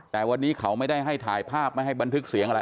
แต่วันนี้เขาไม่ได้ให้ถ่ายภาพไม่ให้บันทึกเสียงอะไร